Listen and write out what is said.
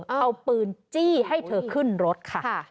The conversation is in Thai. เอาปืนจี้ให้เธอขึ้นรถค่ะ